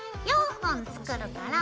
４本作るから。